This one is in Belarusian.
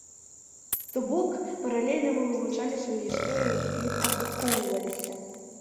То бок, паралельна мы вывучалі сваю гісторыю і адукоўваліся.